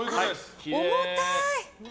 重たい！